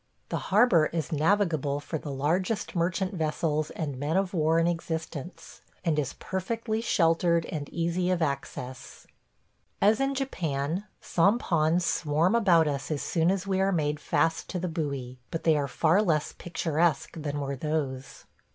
The harbor is navigable for the largest merchant vessels and men of war in existence, and is perfectly sheltered and easy of access. As in Japan, sampans swarm about us as soon as we are made fast to the buoy, but they are far less picturesque than were those.